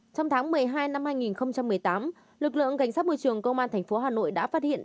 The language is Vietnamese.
trong tháng một mươi hai năm hai nghìn một mươi tám lực lượng cảnh sát môi trường công an tp hà nội đã phát hiện